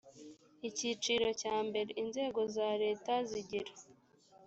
icyiciro cya mbere inzego za leta zigira